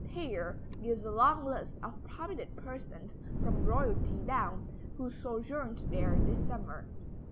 Thayer gives a long list of prominent persons, from royalty down, who sojourned there this summer.